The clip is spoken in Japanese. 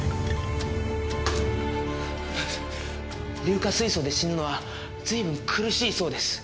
硫化水素で死ぬのは随分苦しいそうです。